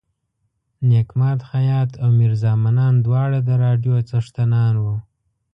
نیک ماد خیاط او میرزا منان دواړه د راډیو څښتنان وو.